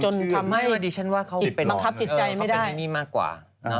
จนทำให้อดิชั่นว่าเขาเป็นนี่มากกว่า